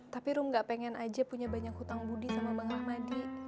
tapi rum gak pengen aja punya banyak hutang budi sama bang rahmadi